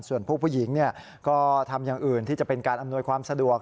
ส่วนผู้หญิงก็ทำอย่างอื่นที่จะเป็นการอำนวยความสะดวก